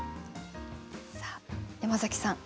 さあ山崎さん